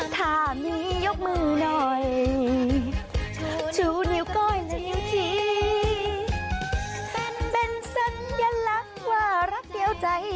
ถ้ามียกมือหน่อยชูนิ้วก้อยหนึ่งนิ้วที